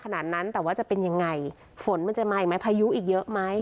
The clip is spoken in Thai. ขนาดนั้นแต่ว่าจะเป็นยังไงฝนมันจะมาอีกไหมพายุอีกเยอะไหม